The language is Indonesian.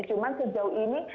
cuman sejauh ini